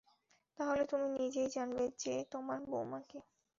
তাহলে তুমি নিজেই জানবে যে, তোমার বউমা কে।